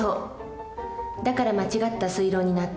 だから間違った推論になっていたの。